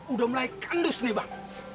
udah mulai kandus nih bang